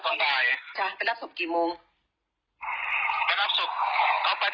ไปรับสบเขาไปแต่เช้าแล้วก็เขามา๔โมงเย็น